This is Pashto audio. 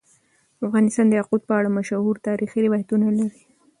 افغانستان د یاقوت په اړه مشهور تاریخی روایتونه لري.